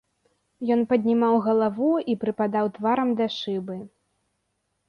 Ён паднімаў галаву і прыпадаў тварам да шыбы.